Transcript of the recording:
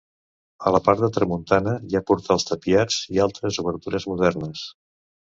A la part de tramuntana hi ha portals tapiats i altres obertures modernes.